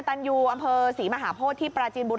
ใช่ค่ะมอเตอร์ไซส์แคนนี้เลยอ่ะครับ